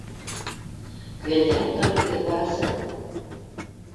— Көйәнтәләп тороп китеп барасы!